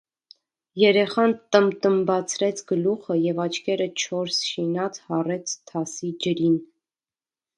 Երեխան տմբտմբացրեց գլուխը և աչքերը չորս շինած հառեց թասի ջրին: